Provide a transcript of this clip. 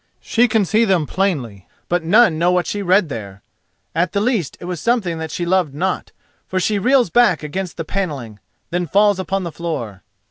She can see them plainly, but none know what she read there. At the least it was something that she loved not, for she reels back against the panelling, then falls upon the floor.